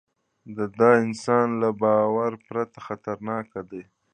دا د انسان له باور پرته خطرناکه ده.